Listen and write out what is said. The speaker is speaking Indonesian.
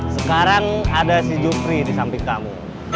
sekarang ada si jukri disamping kamu